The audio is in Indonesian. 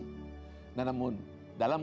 namun dalam kenyataan